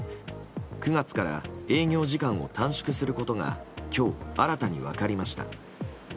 ９月から営業時間を短縮することが今日、新たに分かりました。